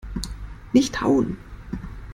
Nicht hauen!